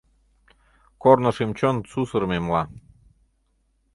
Корно шӱм-чон сусырым эмла